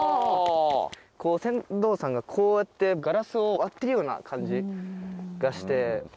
船頭さんがこうやってガラスを割ってるような感じがして。